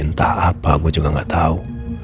entah apa gue juga gak tahu